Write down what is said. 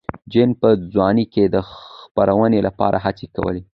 جین په ځوانۍ کې د خپرونې لپاره هڅې کولې.